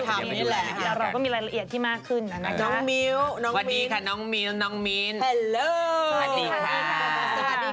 ไปมีแฟนตั้งแต่เด็กของจังเลย